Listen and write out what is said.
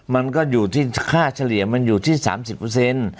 มันก็อยู่ที่ค่าเฉลี่ยมันอยู่ที่๓๐เปอร์เซ็นต์